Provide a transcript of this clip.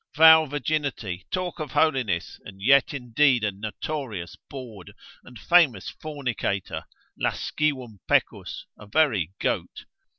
Vow virginity, talk of holiness, and yet indeed a notorious bawd, and famous fornicator, lascivum pecus, a very goat.